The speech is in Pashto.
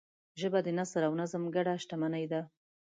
ژبه د نثر او نظم ګډ شتمنۍ ده